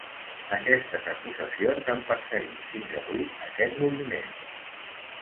Aquestes acusacions han perseguit fins avui aquest moviment.